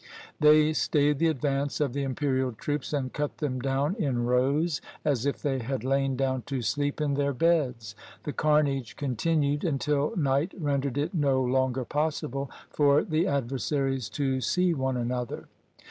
They stayed the advance of the imperial troops, and cut them down in rows, as if they had lain down to sleep in their beds. The carnage continued until night rendered it no longer possible for the adversaries to see one another.